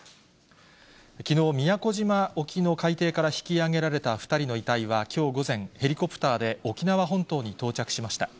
きのう、宮古島沖の海底から引き揚げられた２人の遺体はきょう午前、ヘリコプターで沖縄本島に到着しました。